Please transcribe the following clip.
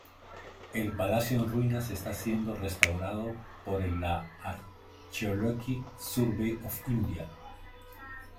El palacio en ruinas está siendo restaurado por la Archaeological Survey of India.